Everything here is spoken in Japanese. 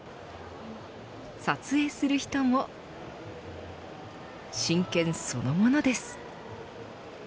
撮影する人も真剣そのものです。